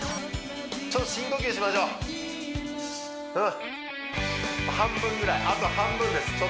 ちょっと深呼吸しましょう半分ぐらいあと半分です